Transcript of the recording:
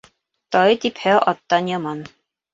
Тай типһә, аттан яман.